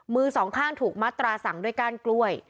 มือสองข้างถูกมัดตราสั่งด้วยก้านกล้วย